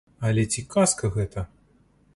Але ці казка гэта?